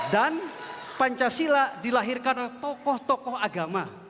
dan pancasila dilahirkan oleh tokoh tokoh agama